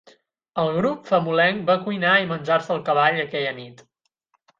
El grup, famolenc, va cuinar i menjar-se el cavall aquella nit.